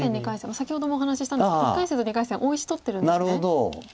先ほどもお話ししたんですけど１回戦と２回戦大石取ってるんですね。